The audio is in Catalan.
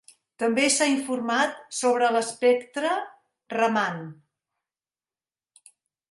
També s'ha informat sobre l'espectre Raman.